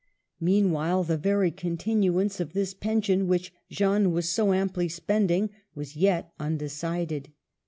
Meanwhile the very continuance of this pen sion which Jeanne was so amply spending was yet undecided.